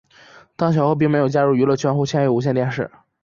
当选后并没有加入娱乐圈或签约无线电视。